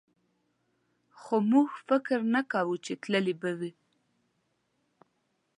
خو موږ فکر نه کوو چې تللی به وي.